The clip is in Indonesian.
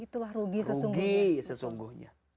itulah rugi sesungguhnya